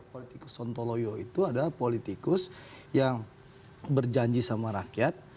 politikus sontoloyo itu adalah politikus yang berjanji sama rakyat